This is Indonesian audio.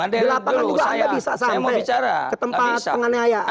di lapangan juga anda bisa sampai ke tempat penganiayaan